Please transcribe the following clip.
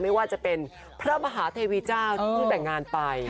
ไม่ว่าจะเป็นพระมหาเทวีเจ้าที่แต่งงานไป